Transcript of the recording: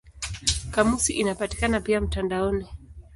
Kamusi inapatikana pia mtandaoni.